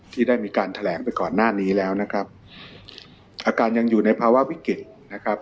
ที่ได้มีการแถลงไปก่อนหน้านี้แล้วนะครับอาการยังอยู่ในภาวะวิกฤตนะครับ